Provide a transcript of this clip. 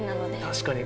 確かに。